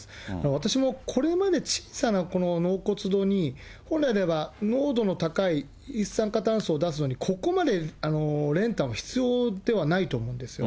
私もこれまで小さな納骨堂に、本来であれば濃度の高い一酸化炭素を出すのに、ここまで練炭は必要ではないと思うんですよ。